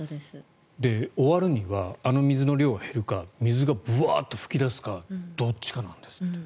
終わるにはあの水の量が減るか水がブワッと噴き出すかどっちかなんですって。